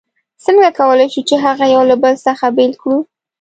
څنګه کولای شو چې هغه یو له بل څخه بېل کړو؟